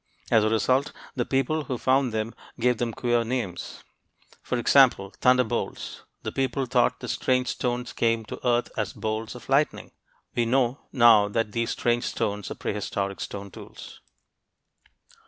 As a result, the people who found them gave them queer names; for example, "thunderbolts." The people thought the strange stones came to earth as bolts of lightning. We know now that these strange stones were prehistoric stone tools.